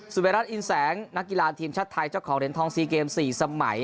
เวรัสอินแสงนักกีฬาทีมชาติไทยเจ้าของเหรียญทอง๔เกม๔สมัย